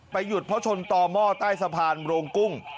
หยุดเพราะชนต่อหม้อใต้สะพานโรงกุ้ง